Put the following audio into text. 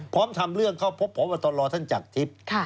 พร้อมทำเรื่องเข้าพบพร้อมมาตอนรอท่านจักรทิพย์